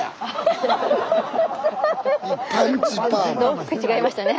大きく違いましたね。